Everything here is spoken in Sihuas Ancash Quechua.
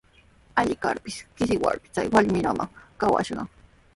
Alli karpis, qishyarpis chay warmillawan kawashaq.